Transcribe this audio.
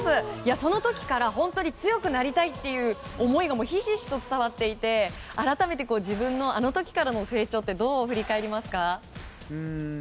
その時から本当に強くなりたいっていう思いがひしひしと伝わっていてあの時からの成長をどう振り返りますか？